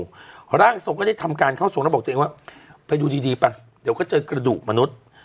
พอร่างส่งก็จะทำการเข้าส่งไปดูดีป่ะเดี๋ยวก็เจอกระดูกนุษย์